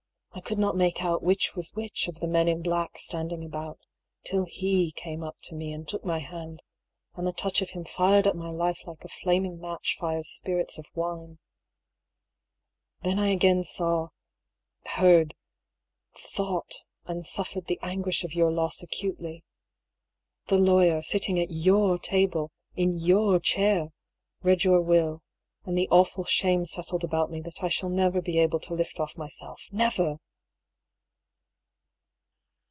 I could not make out which was which of the men in black standing about, till he came up to me and took my hand ; and the touch of him fired up my life like a flaming match fires spirits of wine. Then I again saw — ^heard — thought — and suf fered the anguish of your loss acutely. The lawyer, sitting at your table, in your chair, read your will, and the awful shame settled about me that I shall never be able to lift off myself, never